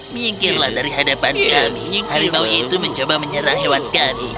minggirlah dari hadapan kami harimau itu mencoba menyerang hewan kami